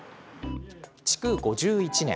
築５１年。